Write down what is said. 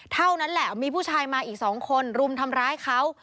เท่านั้นแหละมีผู้ชายมาอีก๒คนรุมทำร้ายเขา